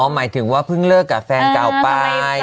หมายถึงว่าเพิ่งเลิกกับแฟนเก่าไป